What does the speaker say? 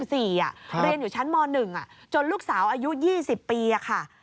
เรียนอยู่ชั้นม๑จนลูกสาวอายุ๒๐ปีค่ะ